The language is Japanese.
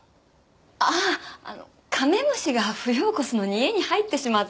あああのカメムシが冬を越すのに家に入ってしまって。